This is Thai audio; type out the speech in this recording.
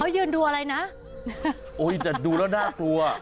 ยืนดูอะไรนะโอ้ยแต่ดูแล้วน่ากลัว